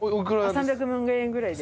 ３００万円ぐらいで。